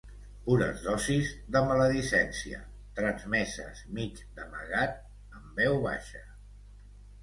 Pures dosis de maledicència transmeses mig d'amagat, en veu baixa.